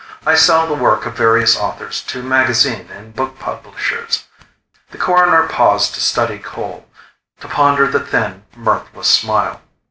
I sell the work of various authors to magazine and book publishers." The Coroner paused to study Cole; to ponder the thin, mirthless smile.